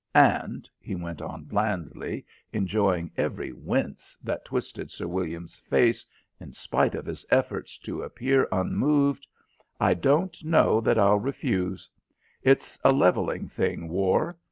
And," he went on blandly, enjoying every wince that twisted Sir William's face in spite of his efforts to appear unmoved, "I don't know that I'll refuse. It's a levelling thing, war.